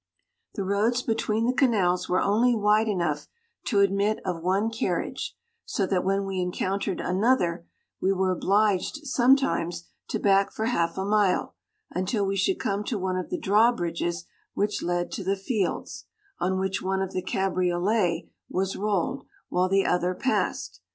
The roads between the canals were only wide enough to admit of one car riage, so that when we encountered another we were obliged sometimes to back for half a mile, until we should come to one of the drawbridges which led to the fields, on which one of the cabriolets was rolled, while the other passed.